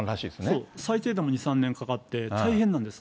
そう、最低でも２、３年かかって、大変なんです。